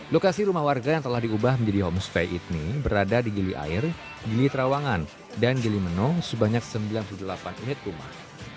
lokasi rumah warga yang telah diubah menjadi homestay ini berada di gili air gili trawangan dan gili menong sebanyak sembilan puluh delapan unit rumah